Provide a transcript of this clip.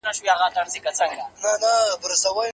ډنکر هلک په لوړ غږ د خیرخانې هوټل مېلمانه رابلل.